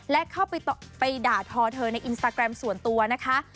และเข้าไปด่าทอเธอในอินสตาแกรมส่วนตัวนะคะ